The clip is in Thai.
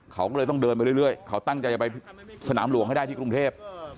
เขาก็เลยต้องเดินไปเรื่อยเขาตั้งใจจะไปสนามหลวงให้ได้ที่กรุงเทพ